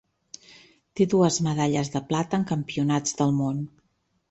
Té dues medalles de plata en Campionats del Món.